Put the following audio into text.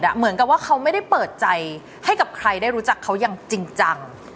เหมือนกับว่าเขาไม่ได้เปิดใจให้กับใครได้รู้จักเขาอย่างจริงจัง